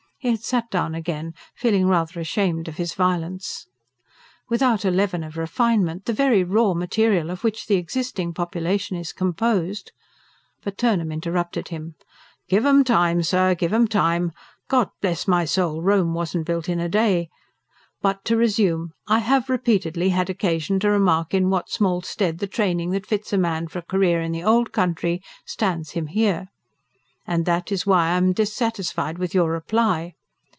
He had sat down again, feeling rather ashamed of his violence. "Without a leaven of refinement, the very raw material of which the existing population is composed " But Turnham interrupted him. "Give 'em time, sir, give 'em time. God bless my soul! Rome wasn't built in a day. But to resume. I have repeatedly had occasion to remark in what small stead the training that fits a man for a career in the old country stands him here. And that is why I am dissatisfied with your reply.